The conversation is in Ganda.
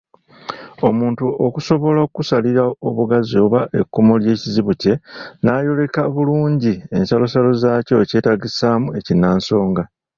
Omuntu okusobola okusalira obugazi oba ekkomo ly’ekizibu kye, n’ayoleka bulungi ensalosalo zaakyo, kyetaagisaamu ekinnansonga.